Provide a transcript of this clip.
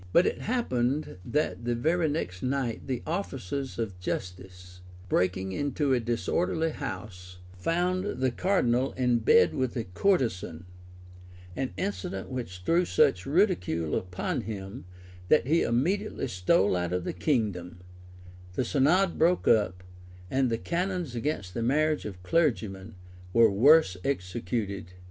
But it happened, that the very next night the officers of justice, breaking into a disorderly house, found the cardinal in bed with a courtesan;[] an incident which threw such ridicule upon him, that he immediately stole out of the kingdom; the synod broke up; and the canons against the marriage of clergymen were worse executed than ever.